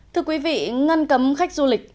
thưa quý vị ngăn cấm khách du lịch